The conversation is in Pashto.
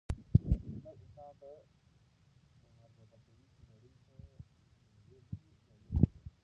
هنر انسان ته دا ورزده کوي چې نړۍ ته له یوې بلې زاویې وګوري.